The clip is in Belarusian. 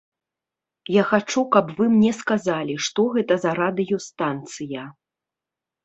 Я хачу, каб вы мне сказалі, што гэта за радыёстанцыя.